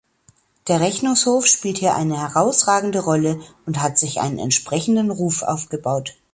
Der Rechnungshof spielt hier eine herausragende Rolle und hat sich einen entsprechenden Ruf aufgebaut.